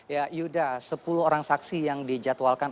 ya yuda sepuluh orang saksi yang dijadwalkan